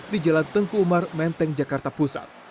di jalan tengku umar menteng jakarta pusat